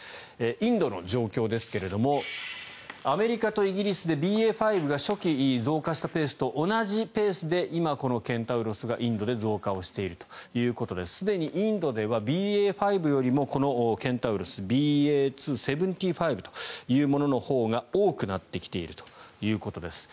インドの状況ですがアメリカとイギリスでＢＡ．５が初期増加したペースと同じペースで今、このケンタウロスがインドで増加をしているということですでにインドではＢＡ．５よりもこのケンタウロスＢＡ．２．７５というもののほうが多くなってきているということです。